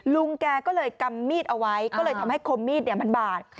ลุงแกก็เลยกำมีดเอาไว้ก็เลยทำให้คมมีดมันบาด